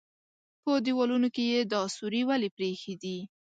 _په دېوالونو کې يې دا سوري ولې پرېښي دي؟